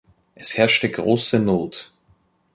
Es herrschte große Not.